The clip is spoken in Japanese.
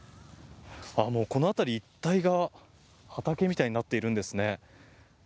もう、この辺り一帯が畑みたいになっているんですね。